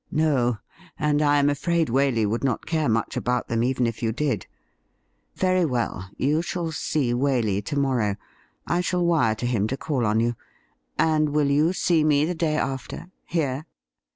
' No, and I am afraid Waley would not care much about them even if you did. Very well, you shall see Waley to morrow ; I shall wire to him to call on you — and will you see me the day after — here